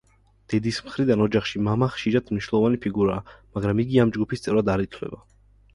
დედის მხრიდან ოჯახში მამა ხშირად მნიშვნელოვანი ფიგურაა, მაგრამ იგი ამ ჯგუფის წევრად არ ითვლება.